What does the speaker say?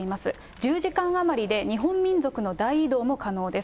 １０時間余りで日本民族の大移動も可能です。